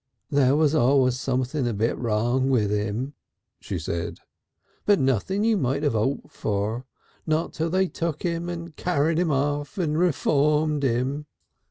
"There was always something a bit wrong with him," she said, "but nothing you mightn't have hoped for, not till they took him and carried him off and reformed him....